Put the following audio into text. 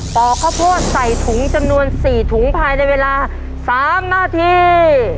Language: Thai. ป่าข้าวโพดใส่ถุงจำนวนสี่ถุงภายในเวลาสามนาที